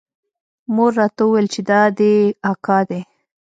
مور راته وويل چې دا دې اکا دى.